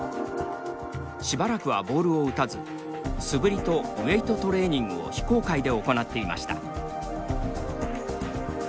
しばらくはボールを打たず素振りとウエイトトレーニングを非公開で行っていました。